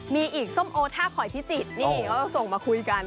มีอีกส้มโอท่าขอยพิจิตรนี่ก็ส่งมาคุยกัน